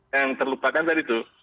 yang terlupakan tadi tuh